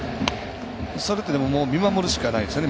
それって見守るしかないですよね